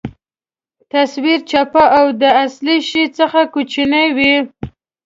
تصویر چپه او د اصلي شي څخه کوچنۍ وي.